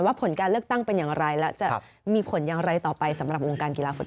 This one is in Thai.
ผลการเลือกตั้งเป็นอย่างไรและจะมีผลอย่างไรต่อไปสำหรับวงการกีฬาฟุต